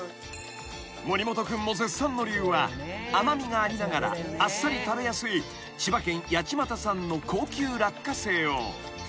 ［森本君も絶賛の理由は甘味がありながらあっさり食べやすい千葉県八街産の高級ラッカセイを］